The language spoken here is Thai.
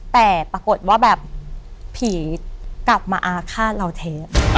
แต่ปรากฏว่าแบบผีกลับมาอาฆาตเราเท